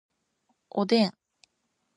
おでん